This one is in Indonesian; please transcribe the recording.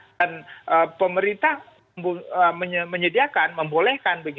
dan pemerintah menyediakan membolehkan